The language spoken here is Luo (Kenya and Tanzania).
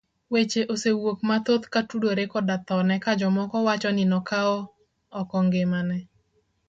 Weche osewuok mathoth kotudore koda thone ka jomoko wacho ni nokawo oko ngimane.